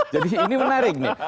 jadi ini menarik nih